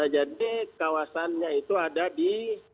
jadi kawasannya itu ada di